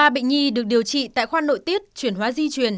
ba bệnh nhi được điều trị tại khoa nội tiết chuyển hóa di truyền